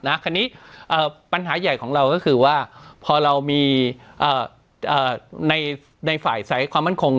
นะคันนี้เอ่อปัญหาใหญ่ของเราก็คือว่าพอเรามีเอ่อเอ่อในในฝ่ายใสความมั่นคง